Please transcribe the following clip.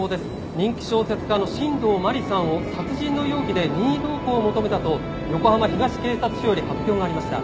「人気小説家の新道真理さんを殺人の容疑で任意同行を求めたと横浜東警察署より発表がありました」